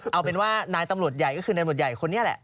เอาเป็นว่านายตำรวจใหญ่ก็คือนายตำรวจใหญ่คนนี้แหละ